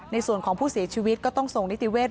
ในส่วนของผู้เสียชีวิตก็ต้องส่งนิติเวศ